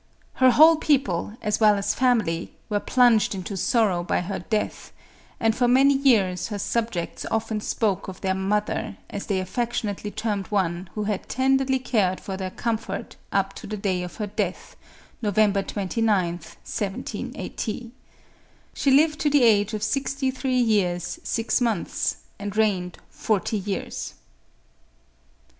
Her whole people, as well as family, were plunged into sor row by her death, and, for many years, her subjects often spoke of their " mother," as they affectionately termed one who had tenderly cared for their comfort, up to the day of her death, Nov. 29th, 1780. She lived to the age of sixty three years, six months, and reigned forty years.